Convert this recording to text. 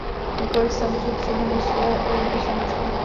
Několik samců při něm usiluje o jednu samičku.